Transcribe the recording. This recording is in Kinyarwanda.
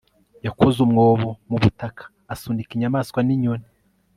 yakoze umwobo mu butaka, asunika inyamaswa n'inyoni